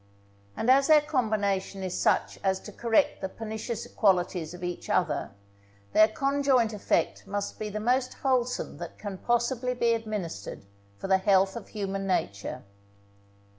And as their combination is such as to correct the pernicious qualities of each other, their conjoint effect must be the most wholesome that can possibly be administered for the health of human nature.